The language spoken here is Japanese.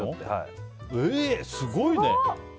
すごいね。